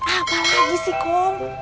apa lagi sih kom